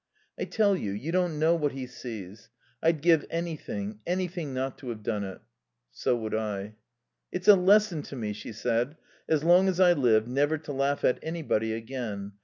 "I tell you, you don't know what he sees.... I'd give anything, anything not to have done it." "So would I." "It's a lesson to me," she said, "as long as I live, never to laugh at anybody again.